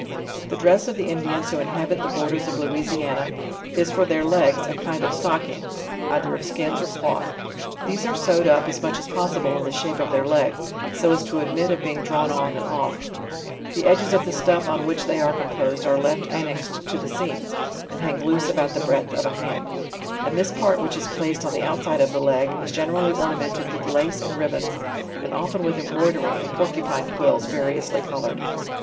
The dress of the Indians who inhabit the borders of Lou isiana is for their legs, a kind of stocking, cither of skins or cloth; these are sewed up as much as possible in the shrpe of their leg , so as to admit of being drawn on and off; the edges of tne stuff on which they are composed are left an nexed to the seams, and hang loose about the breadth of a hand; and this part which is placed on the outside of the leg, is generally ornamented with lace and ribbons, find often with embroidery and porcupine quills variously colored.